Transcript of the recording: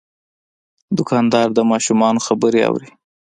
دوکاندار د ماشومانو خبرې اوري.